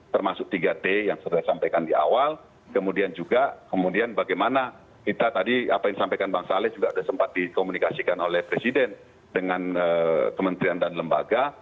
termasuk tiga t yang sudah saya sampaikan di awal kemudian juga kemudian bagaimana kita tadi apa yang disampaikan bang saleh juga sudah sempat dikomunikasikan oleh presiden dengan kementerian dan lembaga